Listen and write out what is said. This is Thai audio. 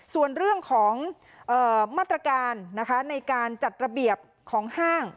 ส่วนเรื่องของมาตรการในการจัดระเบียบของห้าง